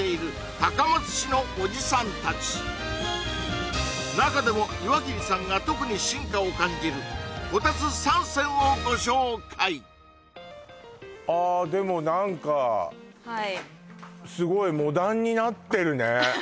高松市のおじさん達中でも岩切さんが特に進化を感じるこたつ３選をご紹介ああでも何かはいスゴいモダンになってるね